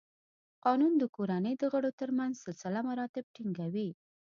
قانون د کورنۍ د غړو تر منځ سلسله مراتب ټینګوي.